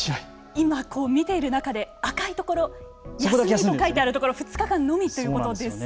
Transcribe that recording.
今見ている中で赤いところ休みと書いてあるところ２日間のみということですよね。